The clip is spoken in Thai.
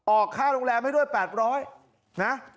ออกค่าโรงแรมให้ด้วย๘๐๐นะ